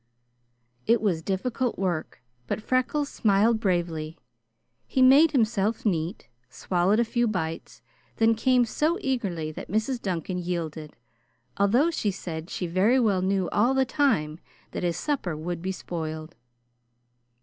It was difficult work, but Freckles smiled bravely. He made himself neat, swallowed a few bites, then came so eagerly that Mrs. Duncan yielded, although she said she very well knew all the time that his supper would be spoiled.